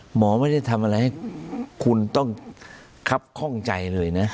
หมอไม่ได้ทำอะไรให้คุณต้องครับข้องใจเลยนะ